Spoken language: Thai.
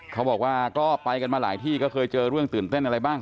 เขาบอกว่าก็ไปกันมาหลายที่ก็เคยเจอเรื่องตื่นเต้นอะไรบ้าง